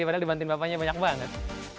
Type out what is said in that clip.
padahal dibantin bapaknya banyak banget